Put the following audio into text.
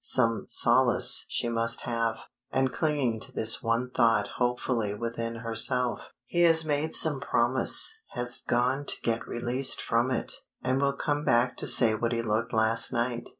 Some solace she must have, and clinging to this one thought hopefully within herself "He has made some promise, has gone to get released from it, and will come back to say what he looked last night.